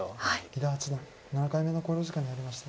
伊田八段７回目の考慮時間に入りました。